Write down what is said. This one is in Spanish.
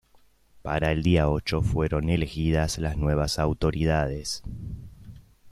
Para el día ocho fueron elegidas las nuevas autoridades.